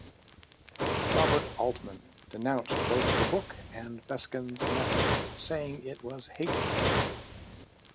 Robert Altman denounced both the book and Biskind's methods, saying It was hate mail.